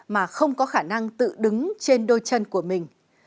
mà không có khả năng tự đứng trên đôi chân của mình